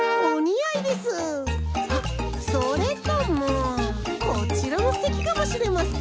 あっそれともこちらもすてきかもしれません。